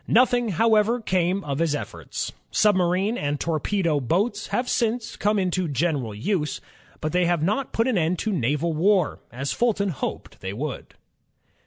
Nothing, however, came of his efforts. Submarine and torpedo boats have since come into general use, but they have not put an end to naval war, as Fulton hoped they would.